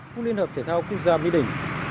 khu liên hợp thể thao quốc gia mỹ đình